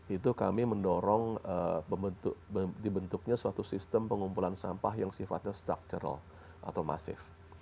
itu kami mendorong dibentuknya suatu sistem pengumpulan sampah yang sifatnya structural atau masif